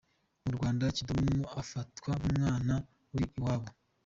Mu Rwanda, Kidum afatwa nk’umwana uri iwabo.